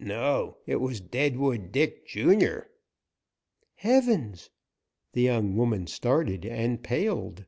"No, it was Deadwood Dick, Junior." "Heavens!" The young woman started and paled.